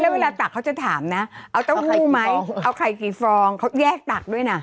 แล้วเวลาตักเขาจะถามนะเอาเต้าหู้ไหมเอาไข่กี่ฟองเขาแยกตักด้วยนะ